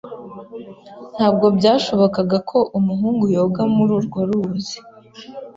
Ntabwo byashobokaga ko umuhungu yoga muri urwo ruzi.